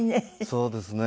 そうですね。